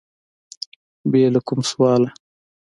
بې له کوم سواله